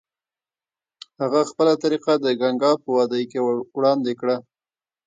هغه خپله طریقه د ګنګا په وادۍ کې وړاندې کړه.